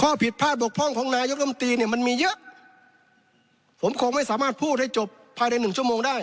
ข้อผิดพลาดบกพร่องของนายกรรมตรีเนี่ยมันมีเยอะผมคงไม่สามารถพูดให้จบภายในหนึ่งชั่วโมงได้